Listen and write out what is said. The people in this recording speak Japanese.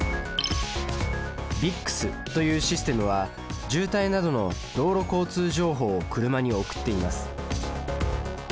ＶＩＣＳというシステムは渋滞などの道路交通情報を車に送っています。